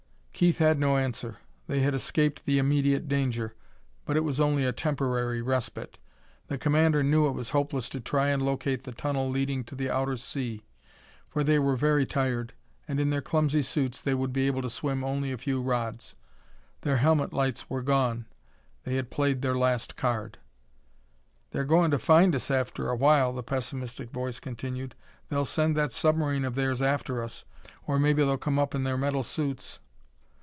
Keith had no answer. They had escaped the immediate danger, but it was only a temporary respite. The commander knew it was hopeless to try and locate the tunnel leading to the outer sea, for they were very tired, and in their clumsy suits they would be able to swim only a few rods. Their helmet lights were gone; they had played their last card. "They're goin' to find us after a while," the pessimistic voice continued. "They'll send that submarine of theirs after us or maybe they'll come up in their metal suits...."